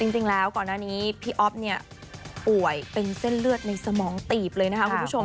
จริงแล้วก่อนหน้านี้พี่อ๊อฟเนี่ยป่วยเป็นเส้นเลือดในสมองตีบเลยนะคะคุณผู้ชม